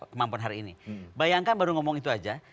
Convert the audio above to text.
kemampuan hari ini bayangkan baru ngomong itu aja